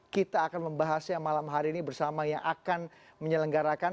kita akan membahasnya malam hari ini bersama yang akan menyelenggarakan